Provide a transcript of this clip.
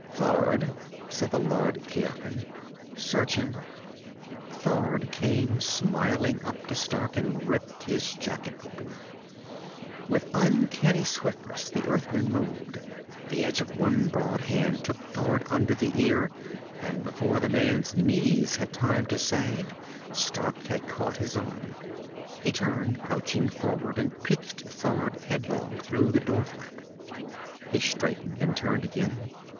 "Thord," said the Lord Ciaran, "search him." Thord came smiling up to Stark and ripped his jacket open. With uncanny swiftness, the Earthman moved. The edge of one broad hand took Thord under the ear, and before the man's knees had time to sag Stark had caught his arm. He turned, crouching forward, and pitched Thord headlong through the door flap. He straightened and turned again.